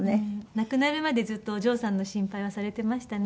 亡くなるまでずっとお嬢さんの心配をされてましたね。